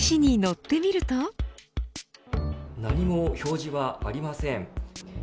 何も表示はありません。